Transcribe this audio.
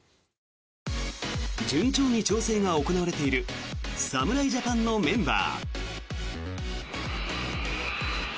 順調に調整が行われている侍ジャパンのメンバー。